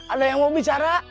ada yang mau bicara